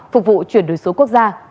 phục vụ chuyển đổi số quốc gia